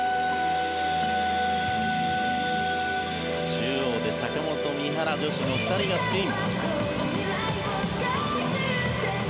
中央で坂本、三原女子の２人がスピン。